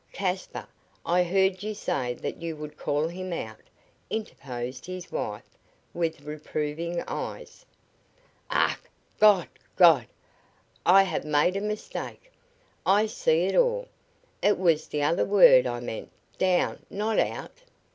"Caspar, I heard you say that you would call him out," interposed his wife, with reproving eyes. "Ach, God! God! I have made a mistake! I see it all! It was the other word I meant down not out!